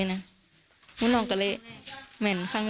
ข้างกล้าง